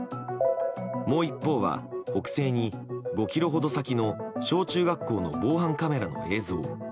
もう一方は北西に５ｋｍほど先の小中学校の防犯カメラの映像。